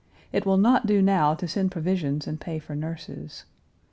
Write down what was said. It will not do now to send provisions and pay for nurses.